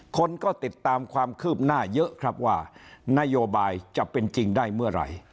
คนก็ติดตามความคืบหน้าเยอะครับว่านโยบายจะเป็นจริงได้เมื่อไหร่